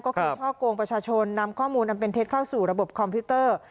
ก็คือช่อกงประชาชนนำข้อมูลอันเป็นเท็จเข้าสู่ระบบคอมพิวเตอร์